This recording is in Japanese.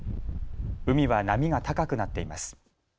海は波が高くなっています。